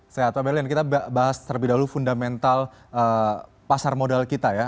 sehat pak berlian kita bahas terlebih dahulu fundamental pasar modal kita ya